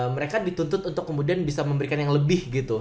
mereka dituntut untuk kemudian bisa memberikan yang lebih gitu